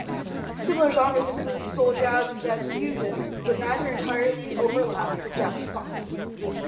Similar genres include soul jazz and jazz fusion, but neither entirely overlap with jazz-funk.